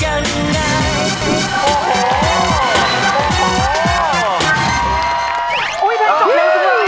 ยังไม่ได้แอลเลยเพจกแหล๊ะ